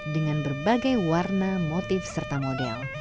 dengan berbagai warna monolog dan warna yang menarik